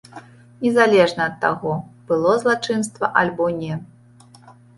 Незалежна ад таго, было злачынства альбо не.